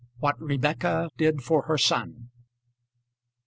WHAT REBEKAH DID FOR HER SON.